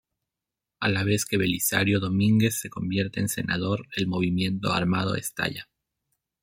A la vez que Belisario Domínguez se convierte en senador, el movimiento armado estalla.